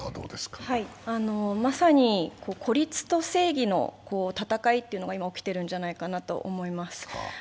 まさに孤立と正義の戦いというのが今起きているんじゃないかなと思います。